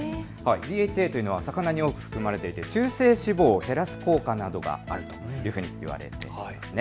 ＤＨＡというのは魚に多く含まれていて中性脂肪を減らす効果などがあるというふうに言われています。